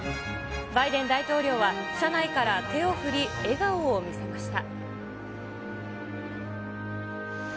バイデン大統領は車内から手を振り、笑顔を見せました。